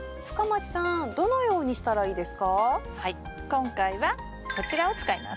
今回はこちらを使います。